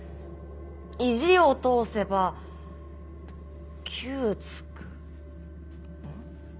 意地を通せばきゅうつくん？